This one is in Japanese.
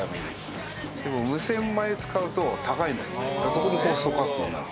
そこでコストカットになる。